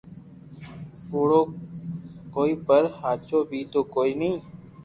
ڪوڙو ڪوئي پر ھاچو بي تو ڪوئي ني